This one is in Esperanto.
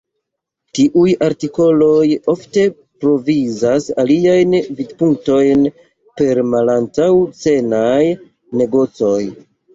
Tiuj artikoloj ofte provizas aliajn vidpunktojn per malantaŭ-scenaj negocoj.